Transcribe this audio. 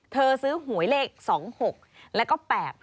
เธอซื้อหวยเลข๒๖แล้วก็๘๕